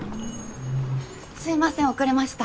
すいません遅れました。